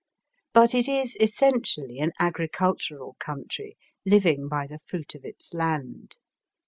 But it is essentially an agricultural country living by the fruit of its land.